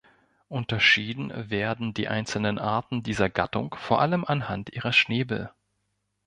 Unterschieden werden die einzelnen Arten dieser Gattung vor allem anhand ihrer Schnäbel.